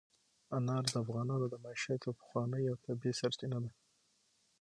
انار د افغانانو د معیشت یوه پخوانۍ او طبیعي سرچینه ده.